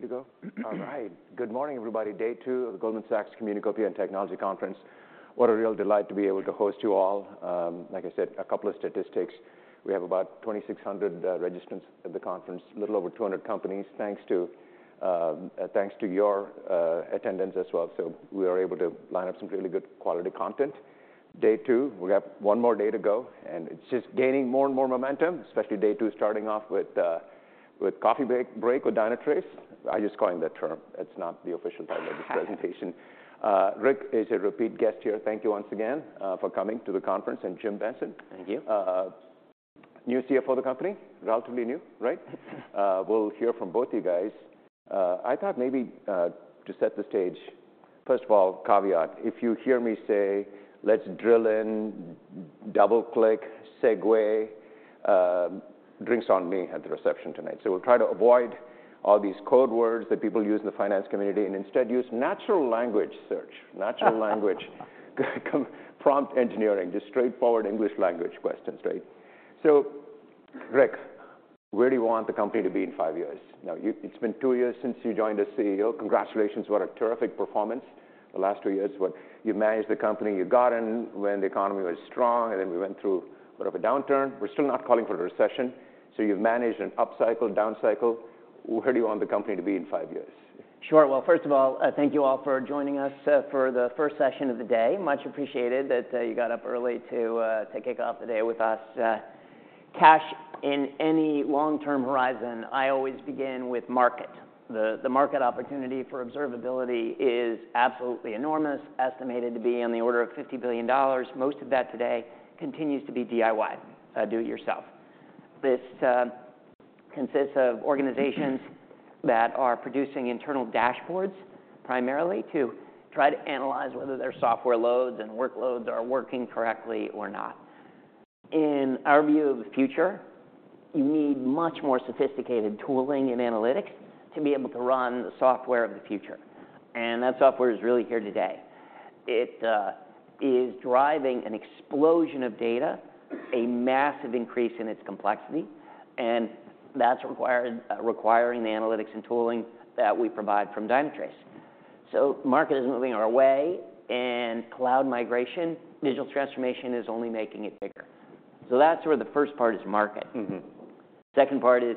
Ready to go? All right. Good morning, everybody, day two of the Goldman Sachs Communacopia and Technology Conference. What a real delight to be able to host you all. Like I said, a couple of statistics: we have about 2,600 registrants at the conference, a little over 200 companies, thanks to, thanks to your attendance as well. So we are able to line up some really good quality content. Day two, we have one more day to go, and it's just gaining more and more momentum, especially day two, starting off with, with coffee break, break with Dynatrace. I'm just coining that term, it's not the official title of this presentation. Rick is a repeat guest here. Thank you once again, for coming to the conference, and Jim Benson. Thank you. New CFO of the company. Relatively new, right? Mm-hmm. We'll hear from both of you guys. I thought maybe to set the stage, first of all, caveat, if you hear me say, "Let's drill in, double-click, segue," drinks are on me at the reception tonight. So we'll try to avoid all these code words that people use in the finance community, and instead use natural language prompt engineering, just straightforward English language questions, right? So Rick, where do you want the company to be in five years? Now, you, it's been two years since you joined as CEO. Congratulations, what a terrific performance the last two years, what. You managed the company, you got in when the economy was strong, and then we went through a bit of a downturn. We're still not calling for a recession, so you've managed an up cycle, down cycle. Where do you want the company to be in five years? Sure. Well, first of all, thank you all for joining us for the first session of the day. Much appreciated that you got up early to to kick off the day with us. Kash, in any long-term horizon, I always begin with market. The market opportunity for observability is absolutely enormous, estimated to be on the order of $50 billion. Most of that today continues to be DIY, Do It Yourself. This consists of organizations that are producing internal dashboards, primarily to try to analyze whether their software loads and workloads are working correctly or not. In our view of the future, you need much more sophisticated tooling and analytics to be able to run the software of the future, and that software is really here today. It is driving an explosion of data, a massive increase in its complexity, and that's required, requiring the analytics and tooling that we provide from Dynatrace. So the market is moving our way, and cloud migration, digital transformation is only making it bigger. So that's where the first part is market. Mm-hmm. Second part is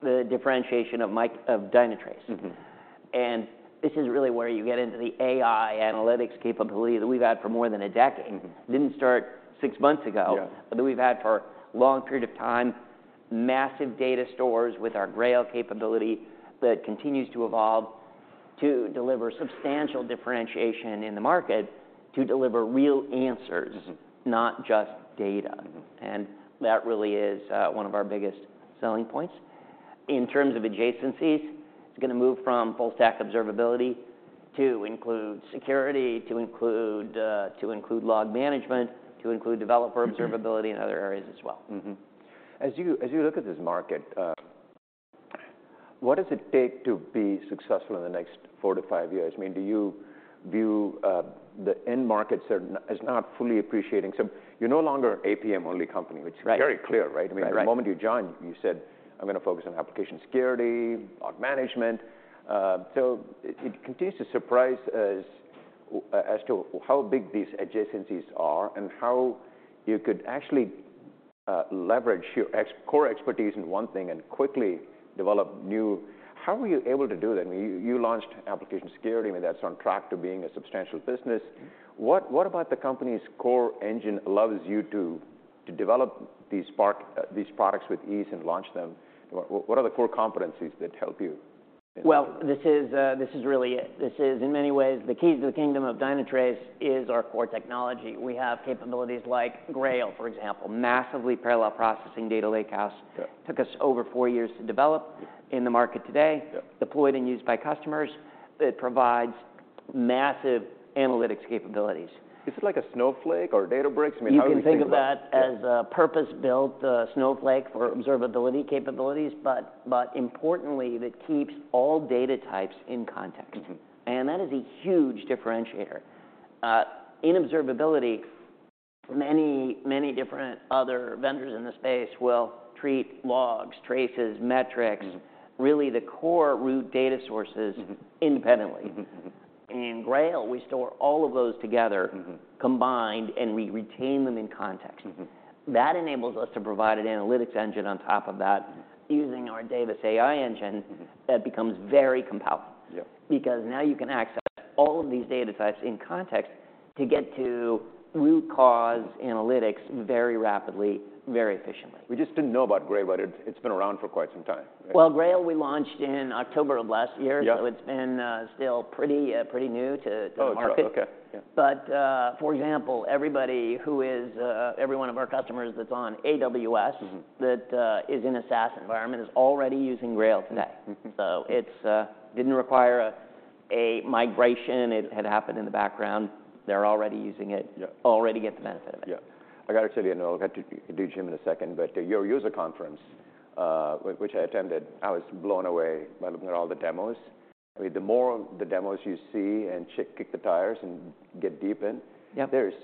the differentiation of Dynatrace. Mm-hmm. This is really where you get into the AI analytics capability that we've had for more than a decade. Mm-hmm. Didn't start six months ago- Yeah... but that we've had for a long period of time, massive data stores with our Grail capability that continues to evolve to deliver substantial differentiation in the market, to deliver real answers- Mm-hmm... not just data. Mm-hmm. That really is one of our biggest selling points. In terms of adjacencies, it's gonna move from full-stack observability to include security, to include, to include log management, to include developer observability- Mm-hmm... and other areas as well. Mm-hmm. As you look at this market, what does it take to be successful in the next 4-5 years? I mean, do you view the end markets as not fully appreciating? So you're no longer an APM-only company- Right... which is very clear, right? Right, right. I mean, from the moment you joined, you said, "I'm gonna focus on Application Security, Log Management." So it continues to surprise us as to how big these adjacencies are, and how you could actually leverage your core expertise in one thing and quickly develop new... How were you able to do that? I mean, you launched Application Security. I mean, that's on track to being a substantial business. What about the company's core engine allows you to develop these products with ease and launch them? What are the core competencies that help you? Well, this is, this is really it. This is, in many ways, the keys to the kingdom of Dynatrace is our core technology. We have capabilities like Grail, for example, massively parallel processing data lakehouse. Yeah. Took us over four years to develop- Yeah... in the market today- Yeah... deployed and used by customers. It provides massive analytics capabilities. Is it like a Snowflake or Databricks? I mean, how do you think about it? You can think of that- Yeah... as a purpose-built Snowflake for observability capabilities, but importantly, that keeps all data types in context. Mm-hmm. That is a huge differentiator. In observability, many, many different other vendors in the space will treat logs, traces, metrics- Mm-hmm... really the core root data sources- Mm-hmm... independently. Mm-hmm, mm-hmm. In Grail, we store all of those together- Mm-hmm... combined, and we retain them in context. Mm-hmm. That enables us to provide an analytics engine on top of that- Mm-hmm... using our Davis AI engine- Mm-hmm... that becomes very compelling. Yeah. Because now you can access all of these data types in context to get to root cause analytics very rapidly, very efficiently. We just didn't know about Grail, but it's been around for quite some time. Well, Grail, we launched in October of last year. Yeah. It's been still pretty new to market. Oh, sure. Okay, yeah. For example, every one of our customers that's on AWS- Mm-hmm... that, is in a SaaS environment, is already using Grail today. Mm-hmm. So it didn't require a migration. It had happened in the background. They're already using it- Yeah... already get the benefit of it. Yeah. I gotta tell you, and I'll get to Jim in a second, but your user conference, which I attended, I was blown away by looking at all the demos. I mean, the more of the demos you see, and check, kick the tires and get deep in- Yeah There's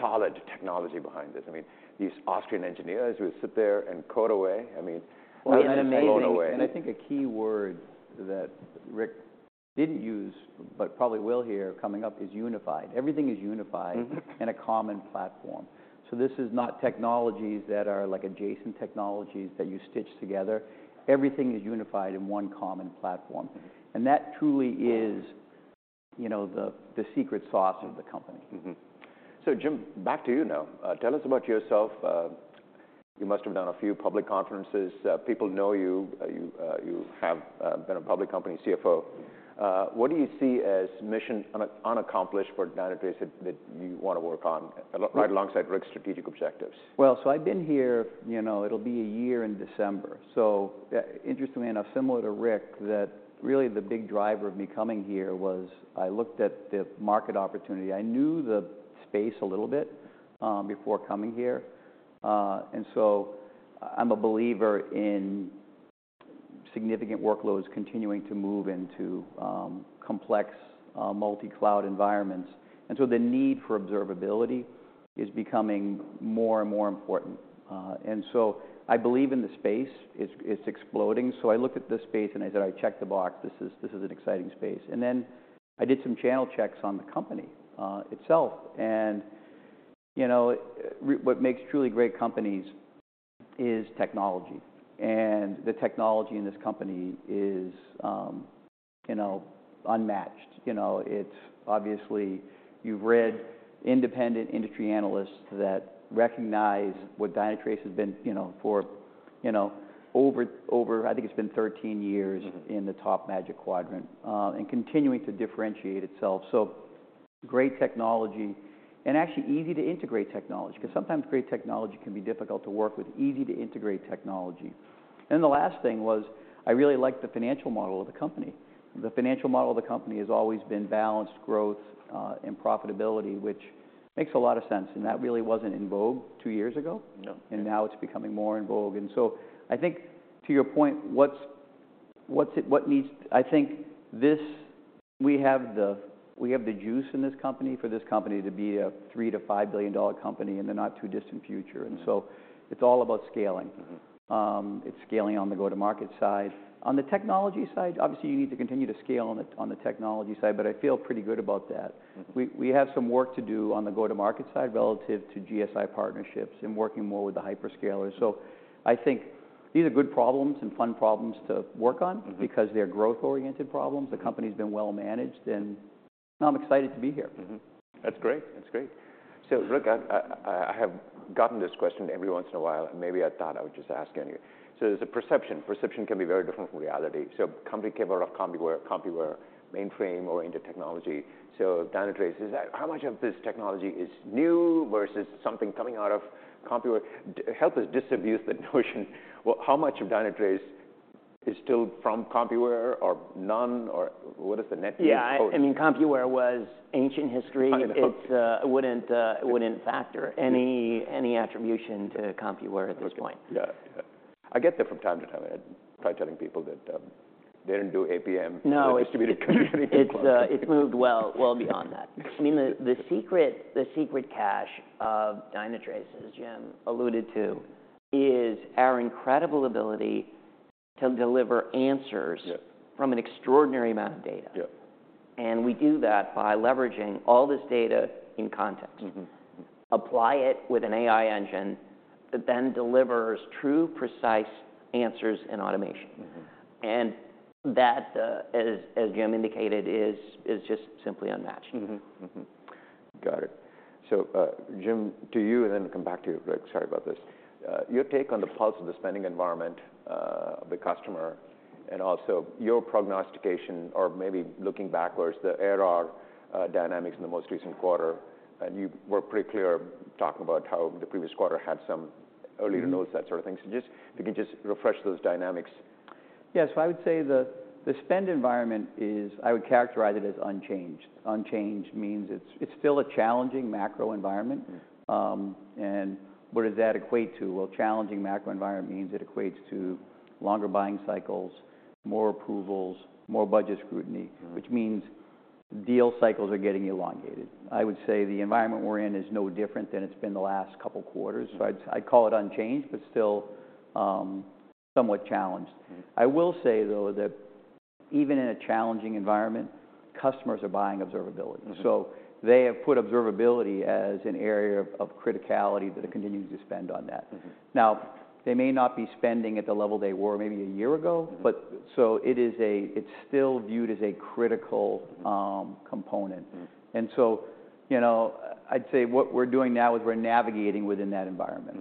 solid technology behind this. I mean, these Austrian engineers would sit there and code away. I mean, I was just blown away. I think a key word that Rick didn't use, but probably will hear coming up, is unified. Everything is unified- Mm-hmm. in a common platform. So this is not technologies that are like adjacent technologies that you stitch together. Everything is unified in one common platform, and that truly is, you know, the secret sauce of the company. Mm-hmm. So Jim, back to you now. Tell us about yourself. You must have done a few public conferences. People know you. You have been a public company CFO. What do you see as mission unaccomplished for Dynatrace that you want to work on, right alongside Rick's strategic objectives? Well, so I've been here, you know, it'll be a year in December. So, interestingly enough, similar to Rick, that really the big driver of me coming here was I looked at the market opportunity. I knew the space a little bit, before coming here. And so I'm a believer in significant workloads continuing to move into, complex, multi-cloud environments. And so the need for observability is becoming more and more important. And so I believe in the space. It's, it's exploding. So I looked at the space, and I said, "I checked the box. This is, this is an exciting space." And then I did some channel checks on the company, itself. And, you know, what makes truly great companies is technology, and the technology in this company is, you know, unmatched. You know, it's obviously... You've read independent industry analysts that recognize what Dynatrace has been, you know, for, you know, over, over, I think it's been 13 years- Mm-hmm... in the top Magic Quadrant, and continuing to differentiate itself. So great technology, and actually easy-to-integrate technology, 'cause sometimes great technology can be difficult to work with. Easy-to-integrate technology. Then the last thing was, I really liked the financial model of the company. The financial model of the company has always been balanced growth, and profitability, which makes a lot of sense, and that really wasn't in vogue two years ago. No. Now it's becoming more in vogue. I think, to your point, what needs... I think we have the juice in this company for this company to be a 3-5 billion-dollar company in the not-too-distant future. Mm-hmm. It's all about scaling. Mm-hmm. It's scaling on the go-to-market side. On the technology side, obviously, you need to continue to scale on the technology side, but I feel pretty good about that. Mm-hmm. We have some work to do on the go-to-market side relative to GSI partnerships and working more with the hyperscalers. So I think these are good problems and fun problems to work on. Mm-hmm... because they're growth-oriented problems. The company's been well-managed, and I'm excited to be here. Mm-hmm. That's great. That's great. So Rick, I, I, I have gotten this question every once in a while, and maybe I thought I would just ask anyway. So there's a perception. Perception can be very different from reality. So company came out of Compuware, Compuware, mainframe-oriented technology. So Dynatrace, is that—how much of this technology is new versus something coming out of Compuware? Help us disabuse the notion, well, how much of Dynatrace is still from Compuware, or none, or what is the net new portion? Yeah, I mean, Compuware was ancient history. It's... It wouldn't factor any attribution to Compuware at this point. Yeah. Yeah. I get that from time to time. I try telling people that, they didn't do APM- No... distributed computing. It's moved well beyond that. I mean, the secret cache of Dynatrace, as Jim alluded to, is our incredible ability to deliver answers- Yeah... from an extraordinary amount of data. Yeah. We do that by leveraging all this data in context. Mm-hmm. Apply it with an AI engine that then delivers true, precise answers and automation. Mm-hmm. That, as Jim indicated, is just simply unmatched. Mm-hmm. Mm-hmm. Got it. So, Jim, to you, and then come back to you, Rick. Sorry about this. Your take on the pulse of the spending environment of the customer, and also your prognostication, or maybe looking backwards, the ARR dynamics in the most recent quarter. And you were pretty clear talking about how the previous quarter had some earlier nodes- Mm-hmm... that sort of thing. So just if you could just refresh those dynamics. Yeah. So I would say the spend environment is... I would characterize it as unchanged. Unchanged means it's still a challenging macro environment. Yeah. and what does that equate to? Well, challenging macro environment means it equates to longer buying cycles, more approvals, more budget scrutiny- Mm. which means deal cycles are getting elongated. I would say the environment we're in is no different than it's been the last couple quarters. Mm-hmm. So I'd call it unchanged, but still, somewhat challenged. Mm. I will say, though, that even in a challenging environment, customers are buying observability. Mm-hmm. So they have put observability as an area of criticality that are continuing to spend on that. Mm-hmm. Now, they may not be spending at the level they were maybe a year ago- Mm-hmm... but so it is, it's still viewed as a critical component. Mm. You know, I'd say what we're doing now is we're navigating within that environment.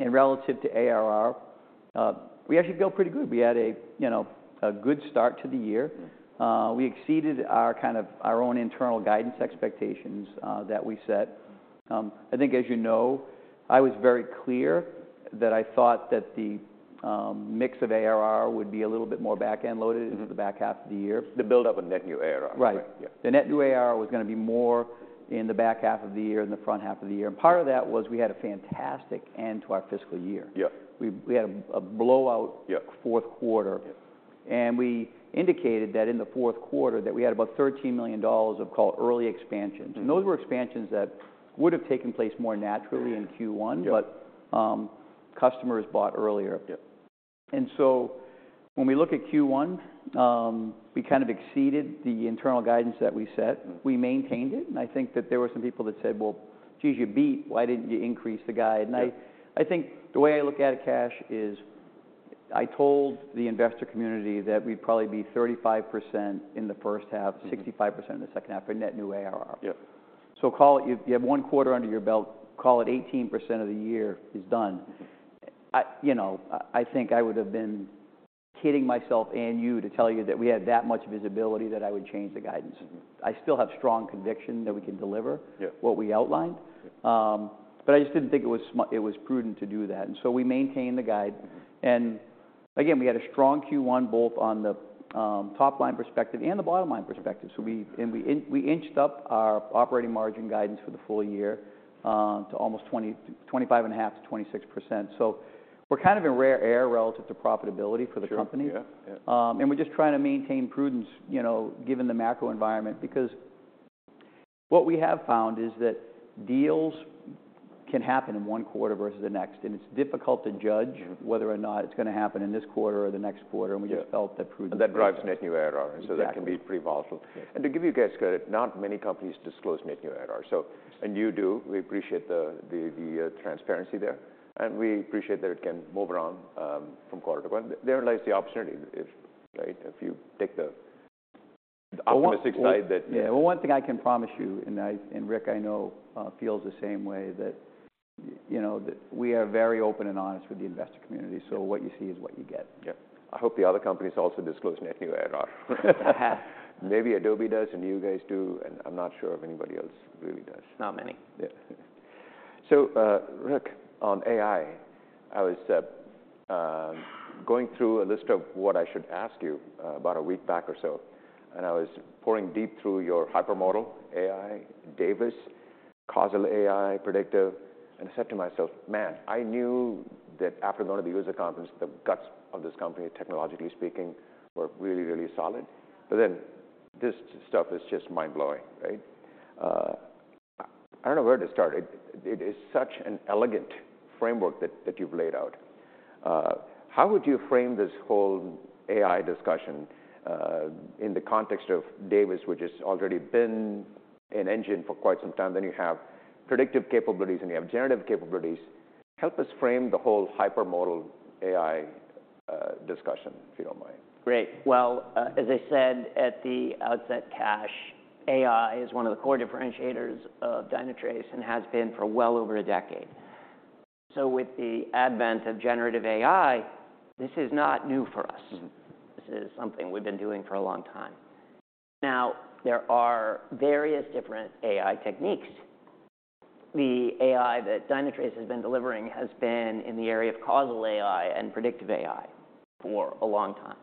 Mm-hmm. Relative to ARR, we actually feel pretty good. We had a, you know, a good start to the year. Mm. We exceeded our kind of, our own internal guidance expectations, that we set. I think, as you know, I was very clear that I thought that the mix of ARR would be a little bit more back-end loaded- Mm... into the back half of the year. The build-up of net new ARR. Right. Yeah. The net new ARR was gonna be more in the back half of the year than the front half of the year. Yeah. Part of that was we had a fantastic end to our fiscal year. Yeah. We had a blowout- Yeah... fourth quarter, and we indicated that in the fourth quarter we had about $13 million of called early expansions. Mm-hmm. Those were expansions that would have taken place more naturally in Q1- Yeah. -but, customers bought earlier. Yeah. So when we look at Q1, we kind of exceeded the internal guidance that we set. Mm. We maintained it, and I think that there were some people that said, "Well, geez, you beat, why didn't you increase the guide? Yeah. I, I think the way I look at it, Kash, is I told the investor community that we'd probably be 35% in the first half- Mm-hmm. 65% in the second half in net new ARR. Yeah. So call it, you have one quarter under your belt, call it 18% of the year is done. Mm. You know, I think I would have been kidding myself and you to tell you that we had that much visibility that I would change the guidance. Mm-hmm. I still have strong conviction that we can deliver- Yeah... what we outlined. Yeah. But I just didn't think it was prudent to do that, and so we maintained the guide. And again, we had a strong Q1, both on the top-line perspective and the bottom-line perspective. So we... and we inched up our operating margin guidance for the full year to almost 25.5%-26%. So we're kind of in rare air relative to profitability for the company. Sure. Yeah. Yeah. and we're just trying to maintain prudence, you know, given the macro environment, because what we have found is that deals can happen in one quarter versus the next, and it's difficult to judge- Mm... whether or not it's gonna happen in this quarter or the next quarter. Yeah. We just felt that prudent- That drives Net New ARR. Exactly. That can be pretty volatile. Yeah. To give you guys credit, not many companies disclose net new ARR, so... And you do. We appreciate the transparency there, and we appreciate that it can move around from quarter to quarter. Therein lies the opportunity, right, if you take the optimistic side that- Yeah. Well, one thing I can promise you, and I, and Rick, I know, feels the same way, that, you know, that we are very open and honest with the investor community. Yeah. What you see is what you get. Yeah. I hope the other companies also disclose Net New ARR. Maybe Adobe does, and you guys do, and I'm not sure if anybody else really does. Not many. Yeah. So, Rick, on AI, I was going through a list of what I should ask you about a week back or so, and I was poring deep through your Hypermodal AI, Davis, Causal AI, predictive, and I said to myself: Man, I knew that after going to the user conference, the guts of this company, technologically speaking, were really, really solid. But then this stuff is just mind-blowing, right? I don't know where to start. It is such an elegant framework that you've laid out. How would you frame this whole AI discussion in the context of Davis, which has already been an engine for quite some time, then you have predictive capabilities, and you have generative capabilities? Help us frame the whole Hypermodal AI discussion, if you don't mind. Great. Well, as I said at the outset, Kash, AI is one of the core differentiators of Dynatrace and has been for well over a decade. So with the advent of generative AI, this is not new for us. Mm-hmm. This is something we've been doing for a long time. Now, there are various different AI techniques. The AI that Dynatrace has been delivering has been in the area of Causal AI and Predictive AI for a long time.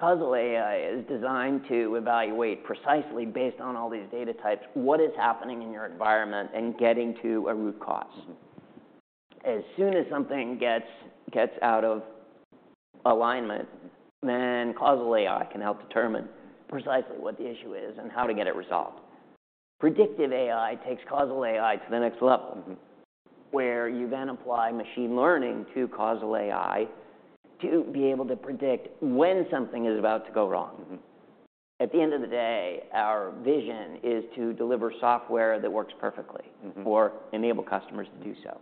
Causal AI is designed to evaluate precisely based on all these data types, what is happening in your environment and getting to a root cause. Mm-hmm. As soon as something gets out of alignment, then Causal AI can help determine precisely what the issue is and how to get it resolved. Predictive AI takes Causal AI to the next level- Mm-hmm... where you then apply machine learning to Causal AI to be able to predict when something is about to go wrong. Mm-hmm. At the end of the day, our vision is to deliver software that works perfectly- Mm-hmm... or enable customers to do so.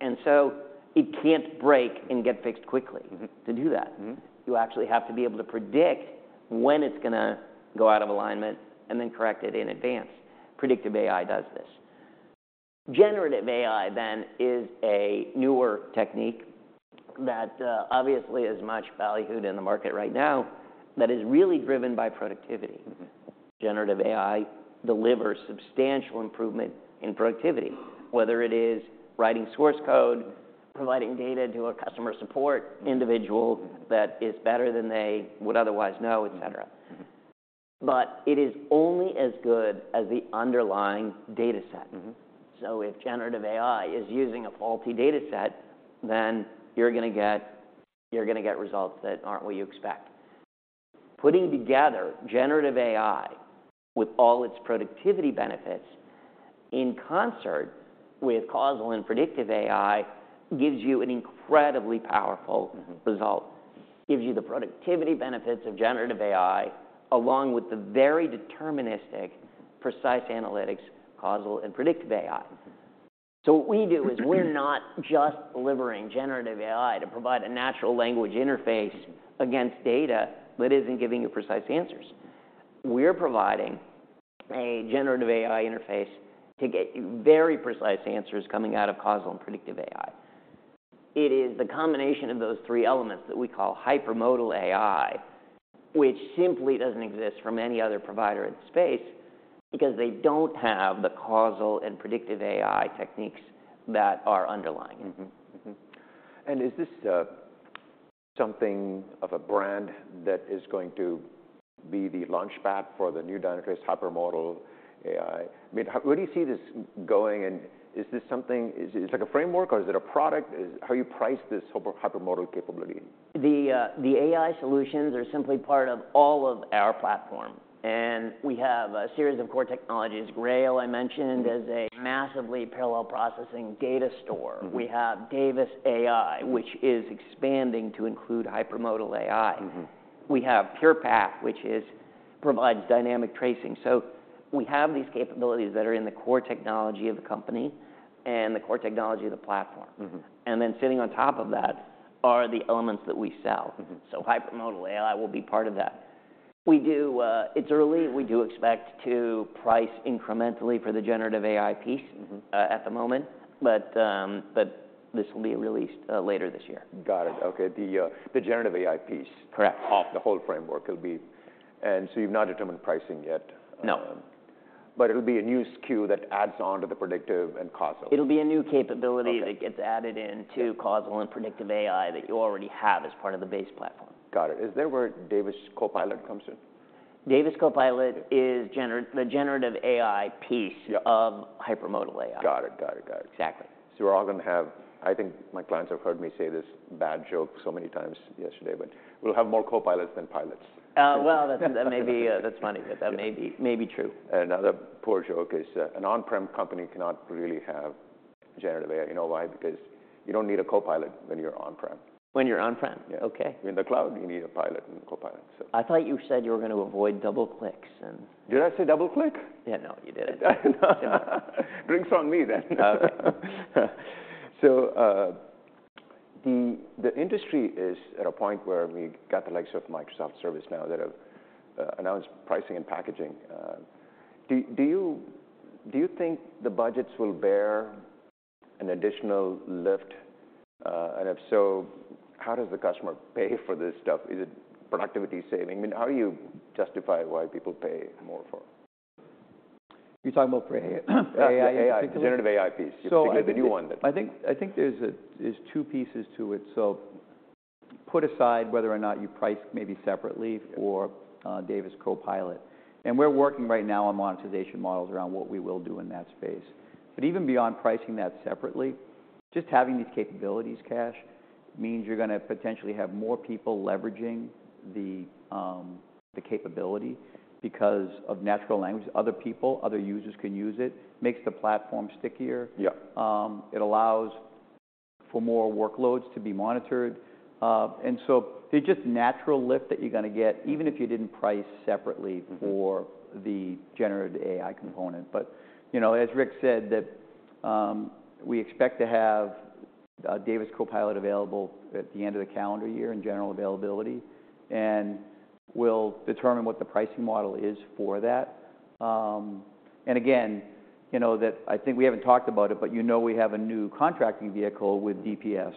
And so it can't break and get fixed quickly. Mm-hmm. To do that- Mm-hmm... you actually have to be able to predict when it's gonna go out of alignment and then correct it in advance. Predictive AI does this. Generative AI, then, is a newer technique that, obviously, is much valued in the market right now, that is really driven by productivity. Mm-hmm. Generative AI delivers substantial improvement in productivity, whether it is writing source code, providing data to a customer support individual- Mm-hmm... that is better than they would otherwise know, et cetera. Mm-hmm. But it is only as good as the underlying data set. Mm-hmm. So if generative AI is using a faulty data set, then you're gonna get results that aren't what you expect. Putting together generative AI with all its productivity benefits in concert with causal and predictive AI, gives you an incredibly powerful- Mm-hmm... result. Gives you the productivity benefits of generative AI, along with the very deterministic, precise analytics, causal and predictive AI. Mm-hmm. So what we do is we're not just delivering generative AI to provide a natural language interface against data that isn't giving you precise answers. We're providing a generative AI interface to get you very precise answers coming out of Causal AI and Predictive AI. It is the combination of those three elements that we call Hypermodal AI, which simply doesn't exist from any other provider in the space, because they don't have the Causal AI and Predictive AI techniques that are underlying. Mm-hmm. Mm-hmm. And is this something of a brand that is going to be the launchpad for the new Dynatrace Hypermodal AI? I mean, how, where do you see this going, and is this something—is it like a framework, or is it a product? How do you price this hypermodal capability? The AI solutions are simply part of all of our platform, and we have a series of core technologies. Grail, I mentioned, is a massively parallel processing data store. Mm-hmm. We have Davis AI- Mm-hmm. -which is expanding to include Hypermodal AI. Mm-hmm. We have PurePath, which provides dynamic tracing. So we have these capabilities that are in the core technology of the company and the core technology of the platform. Mm-hmm. And then sitting on top of that are the elements that we sell. Mm-hmm. So Hypermodal AI will be part of that. We do, It's early. We do expect to price incrementally for the generative AI piece- Mm-hmm... at the moment, but this will be released later this year. Got it. Okay. The generative AI piece- Correct... of the whole framework will be, and so you've not determined pricing yet. No. But it'll be a new SKU that adds on to the predictive and causal. It'll be a new capability. Okay... that gets added into Causal AI and Predictive AI that you already have as part of the base platform. Got it. Is that where Davis CoPilot comes in? Davis CoPilot is the generative AI piece. Yeah... of Hypermodal AI. Got it. Got it. Got it. Exactly. We're all gonna have... I think my clients have heard me say this bad joke so many times yesterday, but we'll have more copilots than pilots. Well, that, that may be. That's funny, but that may be, may be true. Another poor joke is, an on-prem company cannot really have generative AI. You know why? Because you don't need a copilot when you're on-prem. When you're on-prem? Yeah. Okay. In the cloud, you need a pilot and a copilot. I thought you said you were going to avoid double clicks and- Did I say double click? Yeah. No, you didn't. Drinks on me then. Okay. So, the industry is at a point where we got the likes of Microsoft, ServiceNow that have announced pricing and packaging. Do you think the budgets will bear an additional lift? And if so, how does the customer pay for this stuff? Is it productivity saving? I mean, how do you justify why people pay more for it? You're talking about for AI, specifically? AI. Generative AI piece. So I think- The new one. I think there's two pieces to it. So put aside whether or not you price maybe separately for Davis CoPilot, and we're working right now on monetization models around what we will do in that space. But even beyond pricing that separately, just having these capabilities, Kash, means you're gonna potentially have more people leveraging the capability because of natural language. Other people, other users, can use it. Makes the platform stickier. Yeah. It allows for more workloads to be monitored. And so the just natural lift that you're gonna get, even if you didn't price separately- Mm-hmm... for the generative AI component. But, you know, as Rick said, that, we expect to have, Davis CoPilot available at the end of the calendar year in general availability, and we'll determine what the pricing model is for that. And again, you know, that I think we haven't talked about it, but you know we have a new contracting vehicle with DPS.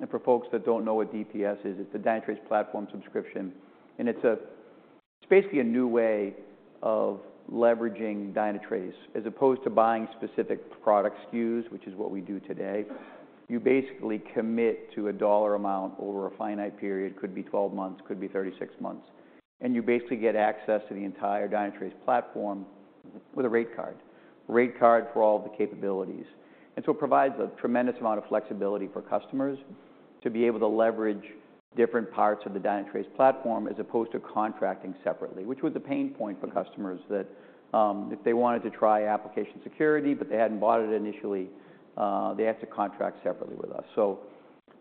And for folks that don't know what DPS is, it's the Dynatrace Platform Subscription, and it's basically a new way of leveraging Dynatrace, as opposed to buying specific product SKUs, which is what we do today. You basically commit to a dollar amount over a finite period, could be 12 months, could be 36 months, and you basically get access to the entire Dynatrace platform- Mm-hmm... with a rate card, rate card for all the capabilities. And so it provides a tremendous amount of flexibility for customers to be able to leverage different parts of the Dynatrace platform, as opposed to contracting separately, which was a pain point for customers, that, if they wanted to try Application Security, but they hadn't bought it initially, they have to contract separately with us. So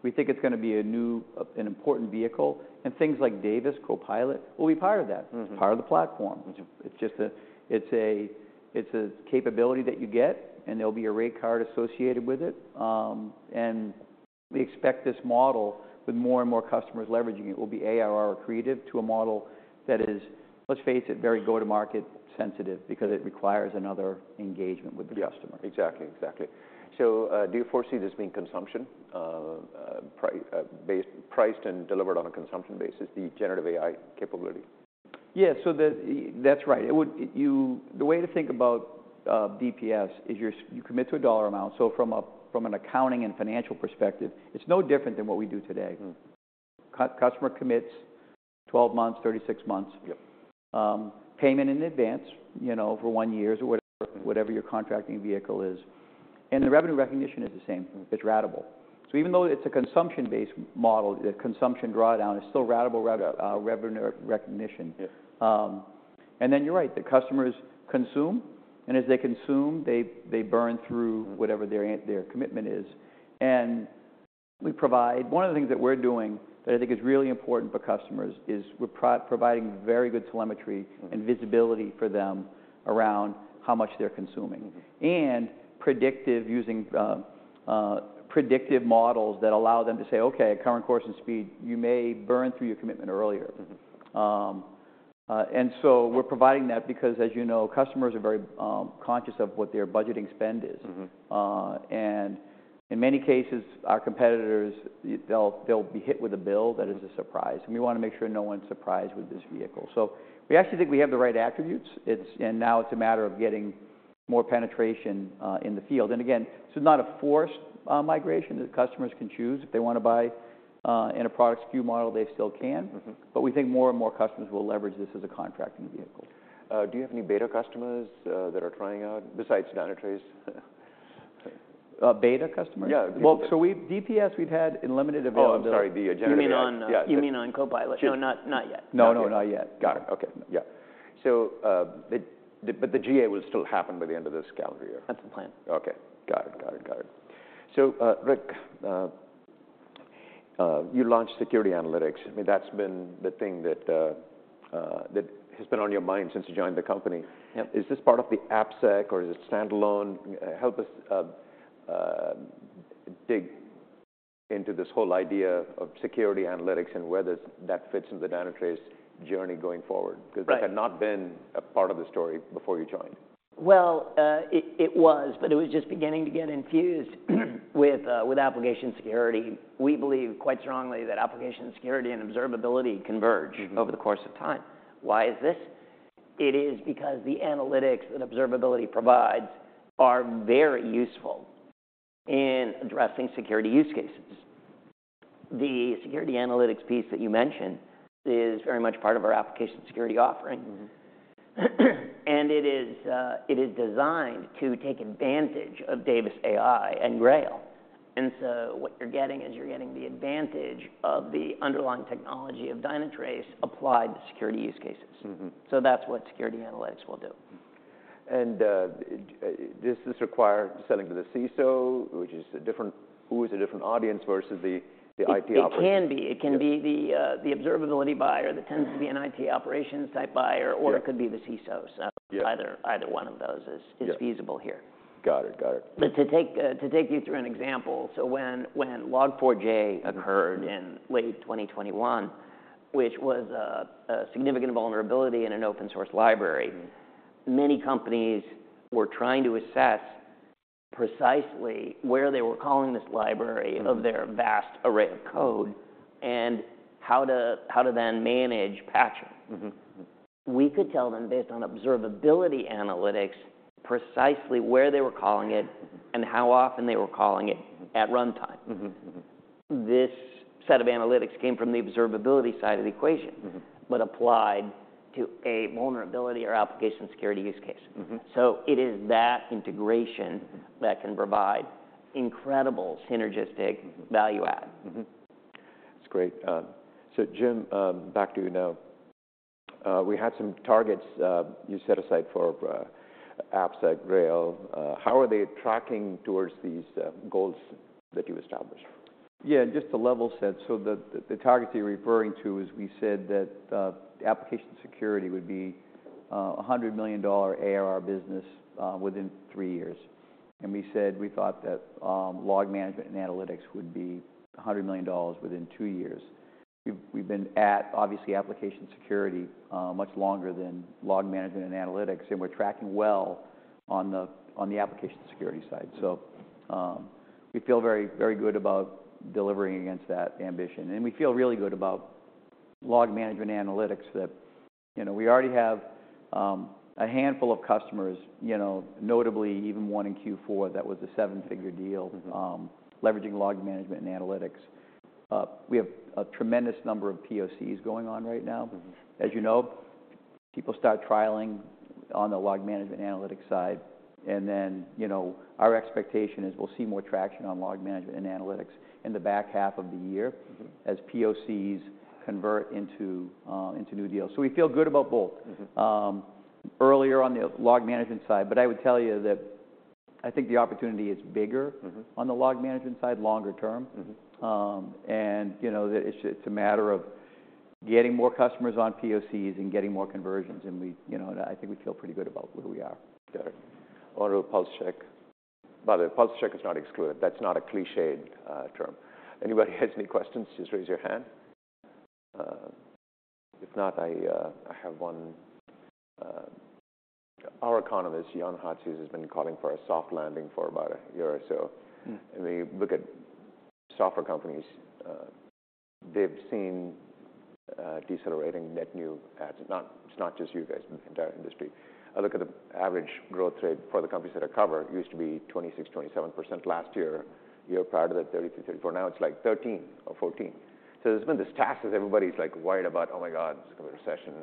we think it's gonna be a new, an important vehicle, and things like Davis CoPilot will be part of that- Mm-hmm... part of the platform. Mm-hmm. It's just a capability that you get, and there'll be a rate card associated with it. We expect this model, with more and more customers leveraging it, will be ARR accretive to a model that is, let's face it, very go-to-market sensitive because it requires another engagement with the customer. Yeah. Exactly. Exactly. So, do you foresee this being consumption-priced and delivered on a consumption basis, the generative AI capability? Yeah, so. That's right. The way to think about DPS is you commit to a dollar amount. So from an accounting and financial perspective, it's no different than what we do today. Mm-hmm. Customer commits 12 months, 36 months- Yep... payment in advance, you know, for one year or whatever, whatever your contracting vehicle is. The revenue recognition is the same. Mm-hmm. It's ratable. So even though it's a consumption-based model, the consumption drawdown, it's still ratable revenue recognition. Yeah. And then you're right, the customers consume, and as they consume, they burn through whatever their commitment is. And we provide one of the things that we're doing, that I think is really important for customers, is we're providing very good telemetry. Mm-hmm... and visibility for them around how much they're consuming. Mm-hmm. Predictive using predictive models that allow them to say, "Okay, current course and speed, you may burn through your commitment earlier. Mm-hmm. And so we're providing that because, as you know, customers are very conscious of what their budgeting spend is. Mm-hmm. And in many cases, our competitors, they'll be hit with a bill that is a surprise, and we wanna make sure no one's surprised with this vehicle. So we actually think we have the right attributes. And now it's a matter of getting more penetration in the field. And again, this is not a forced migration that customers can choose. If they want to buy in a product SKU model, they still can. Mm-hmm. But we think more and more customers will leverage this as a contracting vehicle. Do you have any beta customers that are trying out besides Dynatrace? Beta customers? Yeah. Well, so DPS, we've had in limited availability. Oh, I'm sorry, the agenda- You mean on? Yeah. You mean on Copilot? No, not, not yet. No, no, not yet. Got it. Okay. Yeah. So, but the GA will still happen by the end of this calendar year? That's the plan. Okay, got it. Got it, got it. So, Rick, you launched Security Analytics. I mean, that's been the thing that, that has been on your mind since you joined the company. Yep. Is this part of the AppSec or is it standalone? Help us, dig into this whole idea of security analytics and whether that fits into the Dynatrace journey going forward- Right... 'cause that had not been a part of the story before you joined. Well, it was, but it was just beginning to get infused with Application Security. We believe quite strongly that Application Security and Observability converge- Mm-hmm... over the course of time. Why is this? It is because the analytics that observability provides are very useful in addressing security use cases. The security analytics piece that you mentioned is very much part of our application security offering. Mm-hmm. And it is designed to take advantage of Davis AI and Grail. And so what you're getting is, you're getting the advantage of the underlying technology of Dynatrace applied to security use cases. Mm-hmm. That's what security analytics will do. Does this require selling to the CISO, who is a different audience versus the IT operations? It can be. Yeah. It can be the observability buyer that tends- Mm-hmm... to be an IT operations type buyer- Yeah... or it could be the CISO. So- Yeah... either one of those is- Yeah... is feasible here. Got it, got it. But to take you through an example, so when Log4j occurred- Mm-hmm... in late 2021, which was a significant vulnerability in an open source library- Mm. Many companies were trying to assess precisely where they were calling this library. Mm... of their vast array of code, and how to then manage patching. Mm-hmm. Mm-hmm. We could tell them based on observability analytics, precisely where they were calling it- Mm-hmm... and how often they were calling it- Mm-hmm... at runtime. Mm-hmm. Mm-hmm. This set of analytics came from the observability side of the equation. Mm-hmm... but applied to a vulnerability or Application Security use case. Mm-hmm. So it is that integration that can provide incredible synergistic- Mm-hmm... value add. Mm-hmm. That's great. So Jim, back to you now. We had some targets you set aside for AppSec Grail. How are they tracking towards these goals that you established? Yeah, just a level set. So the targets you're referring to is, we said that, Application Security would be a $100 million ARR business within three years, and we said we thought that, Log Management and analytics would be $100 million within two years. We've been at, obviously, Application Security much longer than Log Management and analytics, and we're tracking well on the Application Security side. Mm-hmm. So, we feel very, very good about delivering against that ambition, and we feel really good about Log Management analytics that, you know, we already have a handful of customers, you know, notably even one in Q4, that was a seven-figure deal. Mm-hmm... leveraging Log Management and analytics. We have a tremendous number of POCs going on right now. Mm-hmm. As you know, people start trialing on the Log Management analytics side, and then, you know, our expectation is we'll see more traction on Log Management and analytics in the back half of the year- Mm-hmm... as POCs convert into new deals. So we feel good about both. Mm-hmm. Earlier on the Log Management side, but I would tell you that I think the opportunity is bigger- Mm-hmm... on the log management side, longer term. Mm-hmm. And you know that it's just a matter of getting more customers on POCs and getting more conversions, and we, you know, and I think we feel pretty good about where we are. Got it. I'll do a pulse check. By the way, pulse check is not excluded. That's not a clichéd term. Anybody has any questions, just raise your hand. If not, I have one. Our economist, Jan Hatzius, has been calling for a soft landing for about a year or so. Mm. We look at software companies, they've seen decelerating net new ARR. It's not just you guys, but the entire industry. I look at the average growth rate for the companies that I cover, it used to be 26-27% last year. Year prior to that, 30-34%. Now, it's like 13 or 14. So there's been this tack as everybody's like worried about, "Oh my God, it's a recession.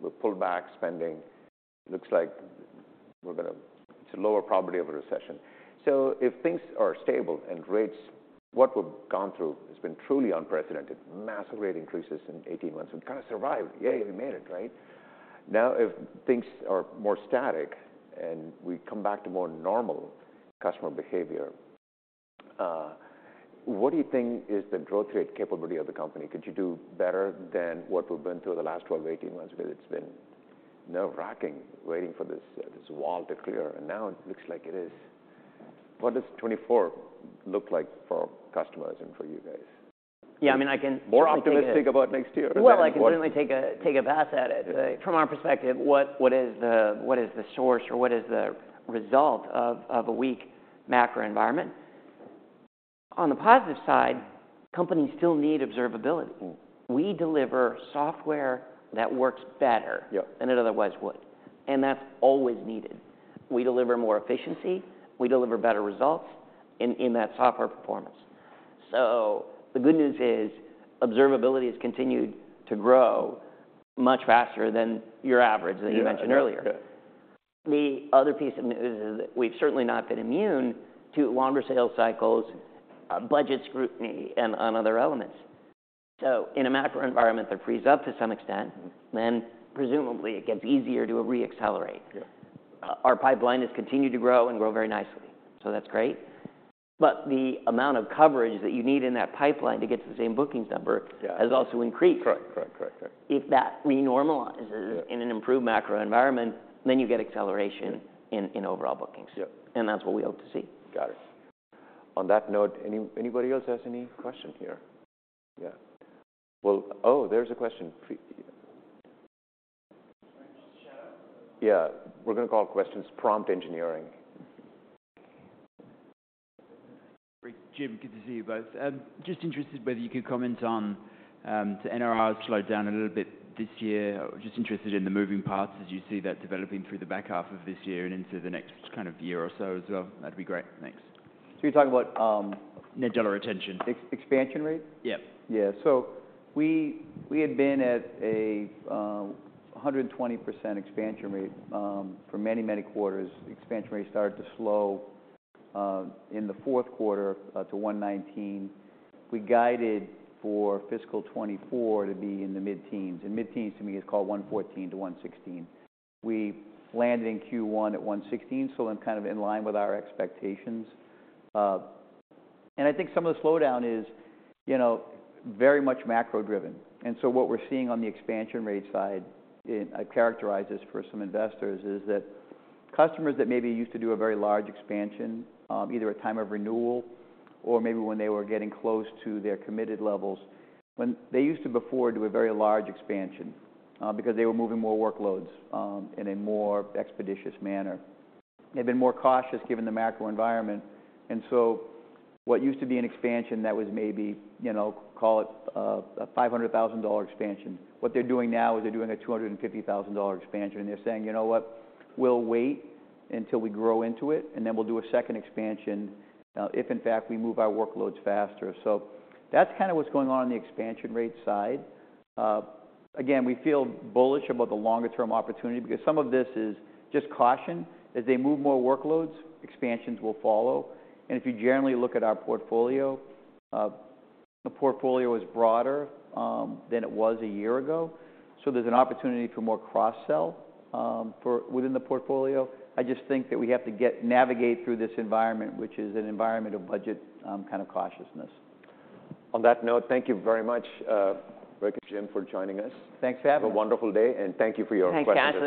We've pulled back spending. Looks like we're gonna..." It's a lower probability of a recession. So if things are stable and rates, what we've gone through has been truly unprecedented. Massive rate increases in 18 months. We've kind of survived. Yay, we made it! Right? Now, if things are more static and we come back to more normal customer behavior, what do you think is the growth rate capability of the company? Could you do better than what we've been through the last 12-18 months? Because it's been nerve-wracking, waiting for this, this wall to clear, and now it looks like it is. What does 2024 look like for customers and for you guys? Yeah, I mean, I can- More optimistic about next year? Well, I can certainly take a pass at it. Yeah. From our perspective, what is the source or what is the result of a weak macro environment?... On the positive side, companies still need observability. Mm-hmm. We deliver software that works better- Yeah -than it otherwise would, and that's always needed. We deliver more efficiency, we deliver better results in that software performance. So the good news is observability has continued to grow much faster than your average, as you mentioned earlier. Yeah. Yeah. The other piece of news is that we've certainly not been immune to longer sales cycles, budget scrutiny, and on other elements. So in a macro environment, that frees up to some extent, then presumably it gets easier to re-accelerate. Yeah. Our pipeline has continued to grow and grow very nicely, so that's great. But the amount of coverage that you need in that pipeline to get to the same bookings number- Yeah has also increased. Correct. Correct, correct, correct. If that re-normalizes- Yeah in an improved macro environment, then you get acceleration in overall bookings. Yeah. That's what we hope to see. Got it. On that note, anybody else has any questions here? Yeah. Well... Oh, there's a question. Just shout out. Yeah, we're gonna call questions, prompt engineering. Jim, good to see you both. Just interested whether you could comment on the NRRs slowed down a little bit this year. Just interested in the moving parts as you see that developing through the back half of this year and into the next kind of year or so as well. That'd be great. Thanks. So you're talking about, Net Dollar Retention. Expansion rate? Yeah. Yeah. So we had been at a 120% expansion rate for many, many quarters. Expansion rate started to slow in the fourth quarter to 119%. We guided for fiscal 2024 to be in the mid-teens, and mid-teens to me is 114%-116%. We landed in Q1 at 116%, so I'm kind of in line with our expectations. And I think some of the slowdown is, you know, very much macro-driven. And so what we're seeing on the expansion rate side, and I characterize this for some investors, is that customers that maybe used to do a very large expansion, either at time of renewal or maybe when they were getting close to their committed levels, when they used to before do a very large expansion, because they were moving more workloads, in a more expeditious manner. They've been more cautious, given the macro environment, and so what used to be an expansion that was maybe, you know, call it, a $500,000 expansion, what they're doing now is they're doing a $250,000 expansion, and they're saying, "You know what? We'll wait until we grow into it, and then we'll do a second expansion, if in fact, we move our workloads faster." So that's kind of what's going on in the expansion rate side. Again, we feel bullish about the longer-term opportunity because some of this is just caution. As they move more workloads, expansions will follow, and if you generally look at our portfolio, the portfolio is broader than it was a year ago, so there's an opportunity for more cross-sell for within the portfolio. I just think that we have to navigate through this environment, which is an environment of budget kind of cautiousness. On that note, thank you very much, Rick and Jim, for joining us. Thanks for having me. Have a wonderful day, and thank you for your questions.